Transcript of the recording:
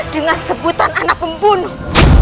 dengan sebutan anak pembunuh